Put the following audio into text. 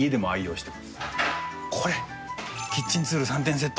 キッチンツール３点セット。